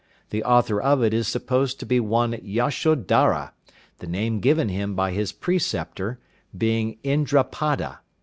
The author of it is supposed to be one Yashodhara, the name given him by his preceptor being Indrapada.